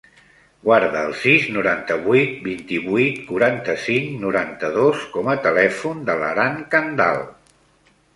Guarda el sis, noranta-vuit, vint-i-vuit, quaranta-cinc, noranta-dos com a telèfon de l'Aran Candal.